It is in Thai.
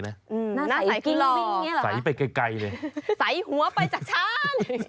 หน้าใสกิ้งวิ่งอย่างนี้เหรอล่ะคะใสไปไกลเลยใสหัวไปชักช้าเลย